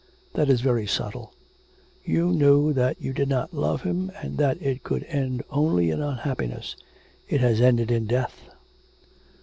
'That is very subtle.' 'You knew that you did not love him, and that it could end only in unhappiness. It has ended in death.'